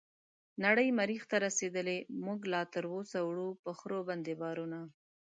نړۍ مريح ته رسيدلې موږ لا تراوسه وړو په خرو باندې بارونه